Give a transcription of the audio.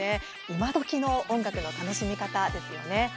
今どきの音楽の楽しみ方ですよね。